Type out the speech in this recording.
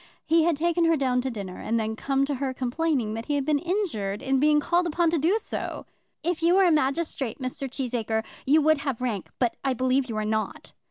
He had taken her down to dinner, and had then come to her complaining that he had been injured in being called upon to do so! "If you were a magistrate, Mr. Cheesacre, you would have rank; but I believe you are not."